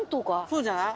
そうじゃない？